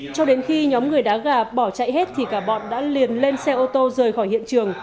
cho đến khi nhóm người đá gà bỏ chạy hết thì cả bọn đã liền lên xe ô tô rời khỏi hiện trường